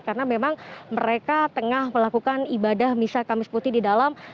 karena memang mereka tengah melakukan ibadah misa kamis putih di dalam